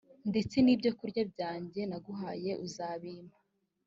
ndetse n ibyokurya byanjye naguhaye uzabimpa